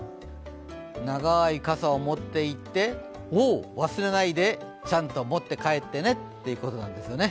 長い傘を持っていって、忘れないでちゃんと持って帰ってねってことなんですね。